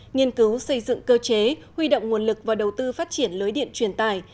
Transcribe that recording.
nghiên cứu xây dựng cơ chế huy động nguồn lực và đầu tư phát triển lưới điện truyền tài